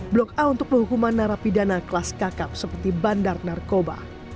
blok a untuk penghukuman narapidana kelas kakap seperti bandar narkoba